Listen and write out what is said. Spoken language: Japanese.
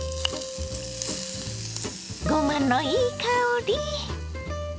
ごまのいい香り。